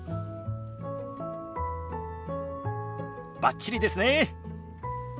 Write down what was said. バッチリですね。